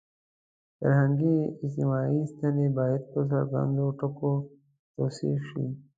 فرهنګي – اجتماعي ستنې باید په څرګندو ټکو توضیح شي.